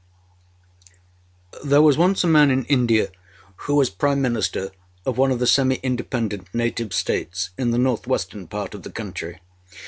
There was once a man in India who was Prime Minister of one of the semi independent native States in the north western part of the country.